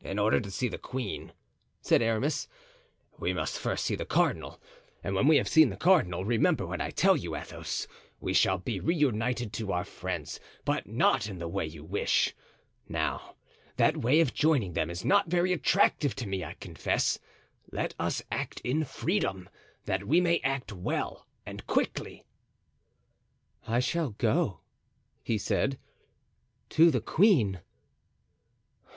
"In order to see the queen," said Aramis, "we must first see the cardinal; and when we have seen the cardinal—remember what I tell you, Athos—we shall be reunited to our friends, but not in the way you wish. Now, that way of joining them is not very attractive to me, I confess. Let us act in freedom, that we may act well and quickly." "I shall go," he said, "to the queen."